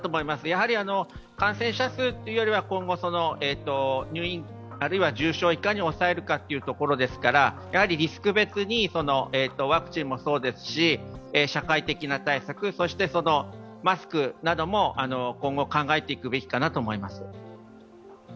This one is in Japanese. やはり感染者数というよりは今後、入院あるいは重症をいかに抑えるかというところですからリスク別にワクチンもそうですし社会的な対策、そしてマスクなども今後、考えていくべきかなと思います。